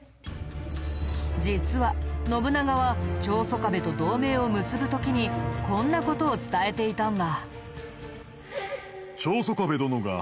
実は信長は長宗我部と同盟を結ぶ時にこんな事を伝えていたんだ。